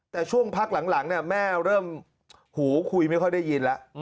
แต่ช่วงพักหลังแม่เริ่มหูคุยไม่ค่อยได้ยินแล้ว